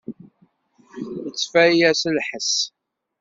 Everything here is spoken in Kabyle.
Yettfaya s lḥess.